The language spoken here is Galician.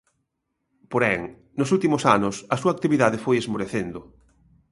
Porén, nos últimos anos a súa actividade foi esmorecendo.